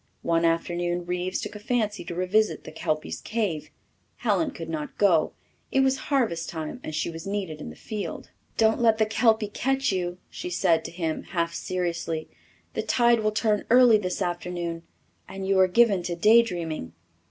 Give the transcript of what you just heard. One afternoon Reeves took a fancy to revisit the Kelpy's Cave. Helen could not go. It was harvest time, and she was needed in the field. "Don't let the kelpy catch you," she said to him half seriously. "The tide will turn early this afternoon, and you are given to day dreaming."